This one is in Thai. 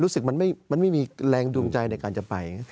รู้สึกมันไม่มีแรงดวงใจในการจะไป